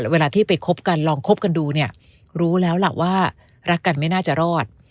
เวลาที่ไปคบกันลองคบกันดูเนี่ยรู้แล้วล่ะว่ารักกันไม่น่าจะรอด